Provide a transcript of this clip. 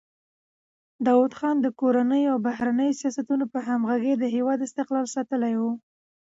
داوود خان د کورنیو او بهرنیو سیاستونو په همغږۍ د هېواد استقلال ساتلی و.